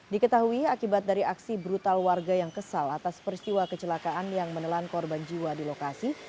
diketahui akibat dari aksi brutal warga yang kesal atas peristiwa kecelakaan yang menelan korban jiwa di lokasi